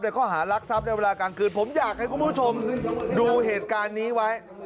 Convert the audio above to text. ข้อหารักทรัพย์ในเวลากลางคืนผมอยากให้คุณผู้ชมดูเหตุการณ์นี้ไว้